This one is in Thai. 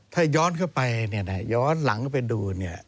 ถ้าย้อนเข้าไปย้อนหลังไปดู